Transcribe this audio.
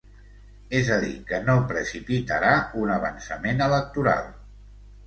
És a dir, que no precipitarà un avançament electoral.